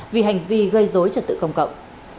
vì hành vi gây dối trật tự công cộng